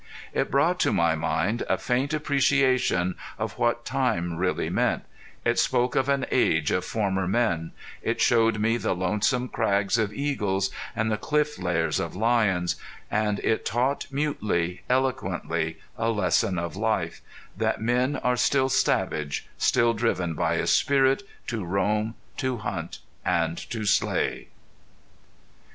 It brought to my mind a faint appreciation of what time really meant; it spoke of an age of former men; it showed me the lonesome crags of eagles, and the cliff lairs of lions; and it taught mutely, eloquently, a lesson of life that men are still savage, still driven by a spirit to roam, to hunt, and to slay.